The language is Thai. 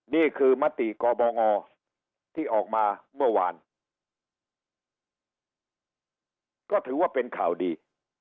นี่คือมติกบงที่ออกมาเมื่อวานก็ถือว่าเป็นข่าวดี